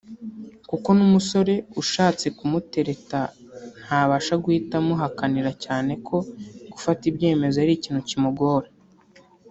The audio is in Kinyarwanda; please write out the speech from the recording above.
kuko n’umusore ushatse kumutereta ntabasha guhita amuhakanira cyane ko gufata ibyemezo ari ikintu kimugora